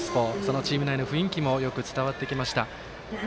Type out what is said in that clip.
そのチーム内の雰囲気もよく伝わってきました。